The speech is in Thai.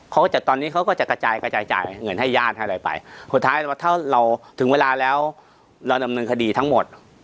ตอนนี้เขาก็จะกระจายกระจายจ่ายเงินให้ญาติให้อะไรไปสุดท้ายถ้าเราถึงเวลาแล้วเราดำเนินคดีทั้งหมด